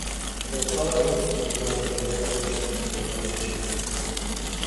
Jde o celoevropský problém, který je zapotřebí neprodleně řešit.